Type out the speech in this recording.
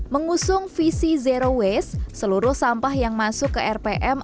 mengusung visi zero waste seluruh sampah yang masuk ke rpm